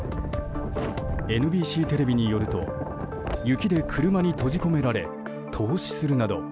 ＮＢＣテレビによると雪で車に閉じ込められ凍死するなど